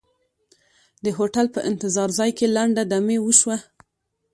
د هوټل په انتظار ځای کې لنډه دمې وشوه.